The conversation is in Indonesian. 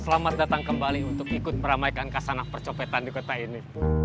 selamat datang kembali untuk ikut meramaikan kasanah percopetan di kota ini